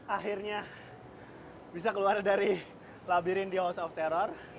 akhirnya bisa keluar dari labirin di house of terror